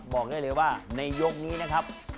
บอกเลยว่ามันนี่ยกนะครับ